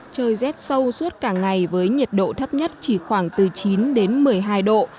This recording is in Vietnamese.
trời rét sâu suốt cả ngày với nhiệt độ thấp nhất chỉ khoảng từ chín đến một mươi hai độ